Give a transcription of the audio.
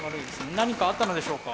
何かあったのでしょうか。